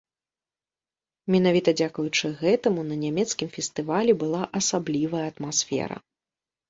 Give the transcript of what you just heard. Менавіта дзякуючы гэтаму на нямецкім фестывалі была асаблівая атмасфера.